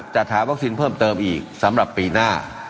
จัดหาวัคซีนเพิ่มเติมอีกสำหรับปีหน้า